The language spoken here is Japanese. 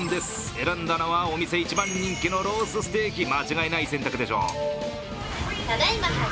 選んだのはお店一番人気のロースステーキ間違いない選択でしょう。